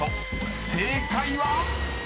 ［正解は⁉］